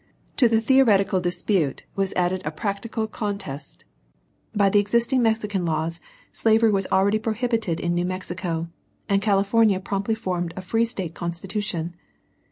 To the theoretical dispute was added a practical contest. By the existing Mexican laws slavery was already prohibited in New Mexico, and California promptly formed a free State constitution.